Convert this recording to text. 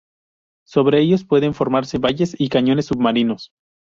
Sobre ellos pueden formarse valles y cañones submarinos.